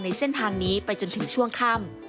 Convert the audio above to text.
เส้นทางนี้ไปจนถึงช่วงค่ำ